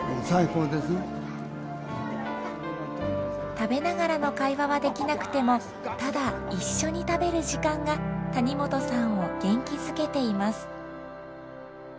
食べながらの会話はできなくても「ただ一緒に食べる」時間が谷本さんを元気づけています。